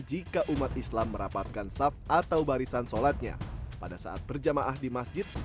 jika umat islam merapatkan saf atau barisan sholatnya pada saat berjamaah di masjid